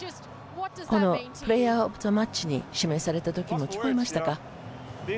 プレーヤーオブザマッチに指名されたときの声が聞こえましたか？